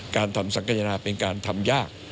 การทำสังขยณาเป็นการทำยาก